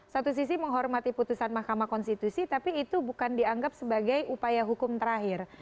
satu sisi menghormati putusan mahkamah konstitusi tapi itu bukan dianggap sebagai upaya hukum terakhir